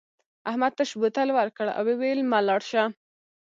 احمد تش بوتل ورکړ او وویل مه لاړ شه.